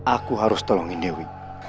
aku harus tolongin dewi